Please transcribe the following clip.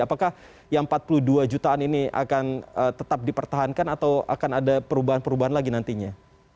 apakah yang empat puluh dua jutaan ini akan tetap dipertahankan atau akan ada perubahan perubahan lagi nantinya